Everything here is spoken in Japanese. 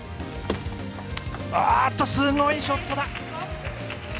あーっと、すごいショットだ。